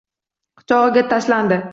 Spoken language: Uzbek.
Quchog‘iga tashlandi